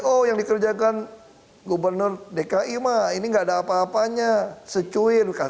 oh yang dikerjakan gubernur dki mah ini gak ada apa apanya secuir